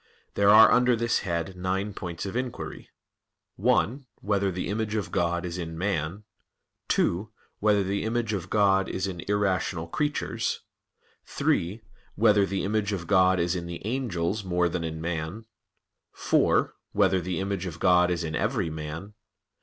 There are under this head nine points of inquiry: (1) Whether the image of God is in man? (2) Whether the image of God is in irrational creatures? (3) Whether the image of God is in the angels more than in man? (4) Whether the image of God is in every man?